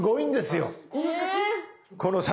この先。